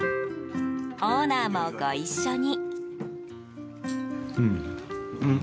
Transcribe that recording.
オーナーもご一緒に。